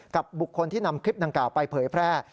กับบุคคลที่นำคลิปดังกล่าวไปเผยแพร่